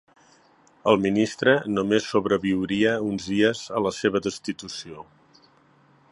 El ministre només sobreviuria uns dies a la seva destitució.